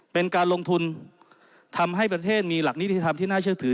เป็นการลงทุนทำให้ประเทศมีหลักนิติธรรมที่น่าเชื่อถือ